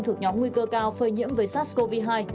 thuộc nhóm nguy cơ cao phơi nhiễm với sars cov hai